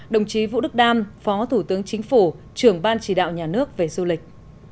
đồng chí vũ đức đam phó thủ tướng chính phủ trưởng ban chỉ đạo nhà nước về du lịch